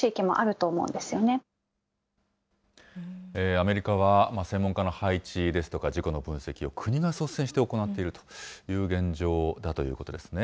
アメリカは専門家の配置ですとか、事故の分析を国が率先して行っているという現状だということですね。